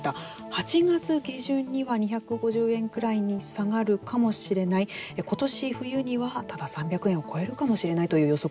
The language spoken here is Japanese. ８月下旬には２５０円くらいに下がるかもしれない今年冬には、ただ３００円を超えるかもしれないという予測